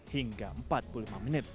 hingga empat puluh lima menit